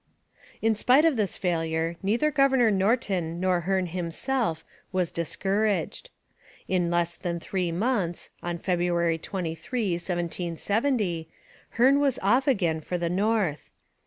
In spite of this failure, neither Governor Norton nor Hearne himself was discouraged. In less than three months (on February 23, 1770) Hearne was off again for the north.